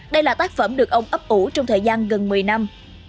đây là tác phẩm được ông ấp ủ trong thời gian gần một mươi năm